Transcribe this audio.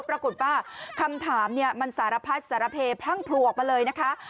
ปรากฏว่าคำถามมันสารพัดสารเพพรั่งผลัวออกมาเลยนะคะ